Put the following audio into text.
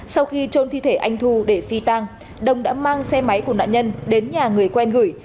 sau khi trôn thi thể anh thu để phi tang đồng đã mang xe máy của nạn nhân đến nhà người quen gửi